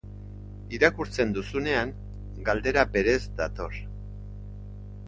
Irakurtzen duzunean, galdera berez dator.